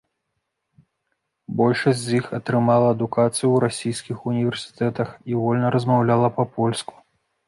Большасць з іх атрымала адукацыю ў расійскіх універсітэтах і вольна размаўляла па-польску.